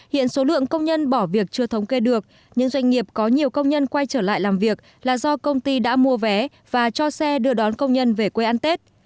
hiện số lượng công nhân bỏ việc chưa thống kê được nhưng doanh nghiệp có nhiều công nhân quay trở lại làm việc là do công ty đã mua vé và cho xe đưa đón công nhân về quê ăn tết